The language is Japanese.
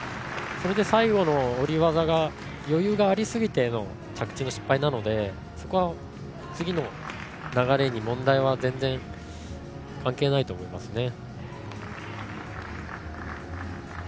最後の下り技が余裕がありすぎての着地の失敗なのでそこは次の流れに問題は全然、関係ないと思いますね。